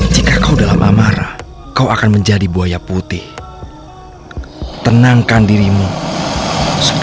suara cemburu ngak undur